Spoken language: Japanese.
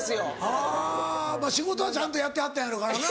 はぁまぁ仕事はちゃんとやってはったやろうからな。